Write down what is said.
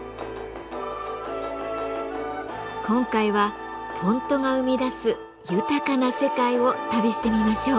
今回はフォントが生み出す豊かな世界を旅してみましょう。